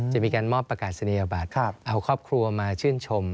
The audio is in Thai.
จะมีการมอบประกาศนียบัตรเอาครอบครัวมาชื่นชม